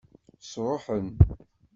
Sṛuḥen.